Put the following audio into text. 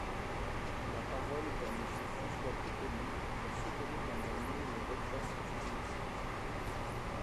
La parole est à Monsieur François Pupponi, pour soutenir l’amendement numéro trois cent soixante-sept.